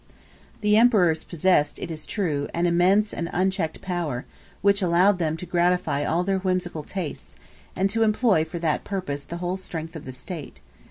The emperors possessed, it is true, an immense and unchecked power, which allowed them to gratify all their whimsical tastes, and to employ for that purpose the whole strength of the State.